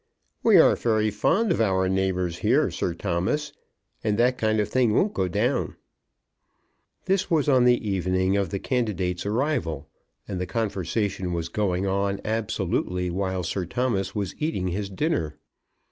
"We are very fond of our neighbours here, Sir Thomas, and that kind of thing won't go down." This was on the evening of the candidate's arrival, and the conversation was going on absolutely while Sir Thomas was eating his dinner.